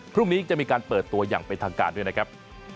พรุ่งนี้จะมีการเปิดตัวอย่างเป็นทางการด้วยนะครับ